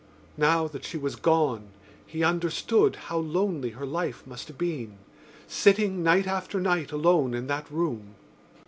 Now that she was gone he understood how lonely her life must have been, sitting night after night alone in that room.